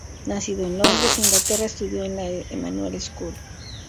Nacido en Londres, Inglaterra, estudió en la Emanuel School.